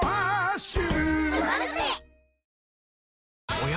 おや？